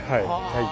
はい。